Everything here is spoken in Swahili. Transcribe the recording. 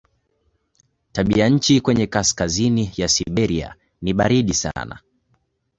Tabianchi kwenye kaskazini ya Siberia ni baridi sana.